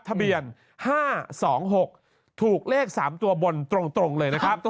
ทะเบียน๕๒๖ถูกเลข๓ตัวบนตรงเลยนะครับ